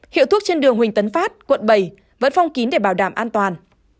hiệu thuốc trên đường huỳnh tấn phát quận bảy vẫn phong kín để bảo đảm an toàn